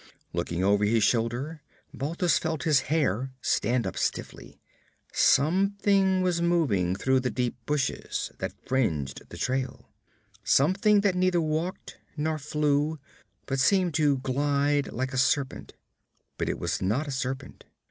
Looking over his shoulder, Balthus felt his hair stand up stiffly. Something was moving through the deep bushes that fringed the trail something that neither walked nor flew, but seemed to glide like a serpent. But it was not a serpent.